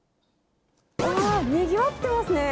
わぁ、にぎわってますね。